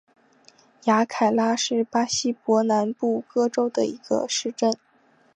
雅凯拉是巴西伯南布哥州的一个市镇。